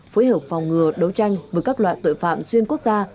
phối hợp phòng ngừa đấu tranh với các loại tội phạm xuyên quốc gia